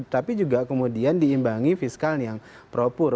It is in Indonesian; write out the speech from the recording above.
tapi juga kemudian diimbangi fiskal yang pro